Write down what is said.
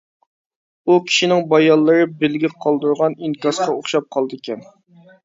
ئۇ كىشىنىڭ بايانلىرى بىلگە قالدۇرغان ئىنكاسقا ئوخشاپ قالىدىكەن.